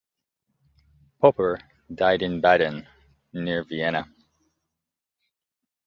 Popper died in Baden, near Vienna.